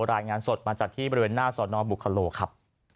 รายงานสดมาจากที่บริเวณหน้าสอนอบุคโลครับ